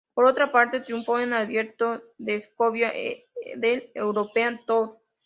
Por otra parte, triunfo en el Abierto de Escocia del European Tour.